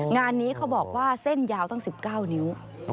งานนี้เขาบอกว่าเส้นยาวตั้ง๑๙นิ้ว